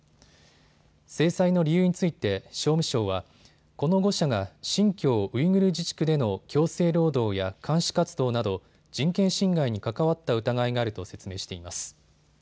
制裁の理由について商務省はこの５社が新疆ウイグル自治区での強制労働や監視活動など人権侵害に関わった疑いがあると説明しています。